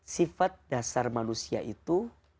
sifat dasar manusia itu